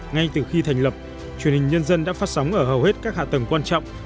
ngay từ khi thành lập truyền hình nhân dân đã phát sóng ở hầu hết các hạ tầng quan trọng